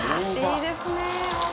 いいですね